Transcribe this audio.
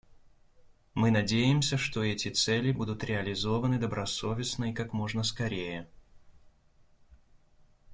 Мы надеемся, что эти цели будут реализованы добросовестно и как можно скорее.